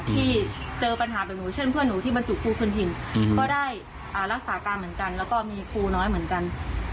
ที่เจอปัญหาแบบหนูเช่นเพื่อนหนูที่บรรจุครูพื้นถิ่นก็ได้รักษาการเหมือนกันแล้วก็มีครูน้อยเหมือนกัน